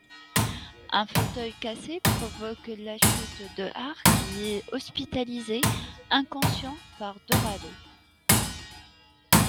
Un fauteuil cassé provoque la chute de Hart qui est hospitalisé, inconscient, par Doralee.